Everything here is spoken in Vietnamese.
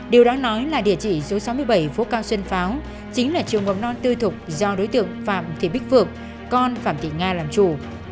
điều đáng nói là địa chỉ số sáu mươi bảy phố cao xuân pháo chính là trường mầm non tư thục do đối tượng phạm thị bích phượng con phạm thị nga làm chủ